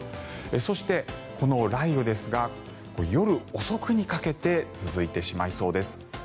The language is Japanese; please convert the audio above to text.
そして、この雷雨ですが夜遅くにかけて続いてしまいそうです。